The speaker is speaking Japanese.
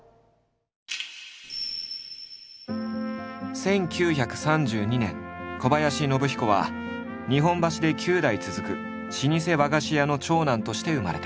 １９３２年小林信彦は日本橋で９代続く老舗和菓子屋の長男として生まれた。